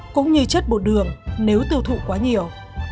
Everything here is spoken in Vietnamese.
cũng như chất bột đường nếu tiêu thụ quá nhiều